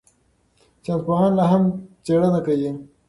ساینسپوهان لا هم څېړنه کوي.